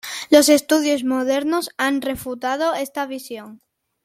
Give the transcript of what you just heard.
Los estudios modernos han refutado esta visión.